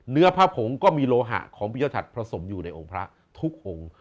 เนื้อพระผงก็มีโลหะของพิยชัดผสมอยู่ในองค์พระทุกองค์